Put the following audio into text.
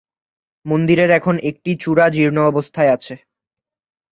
মন্দিরের এখন একটি চূড়া জীর্ণ অবস্থায় আছে।